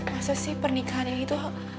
masa sih pernikahan itu